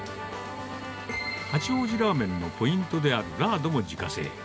八王子ラーメンのポイントであるラードも自家製。